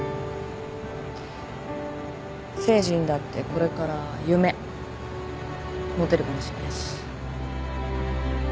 誠治にだってこれから夢持てるかもしれないし。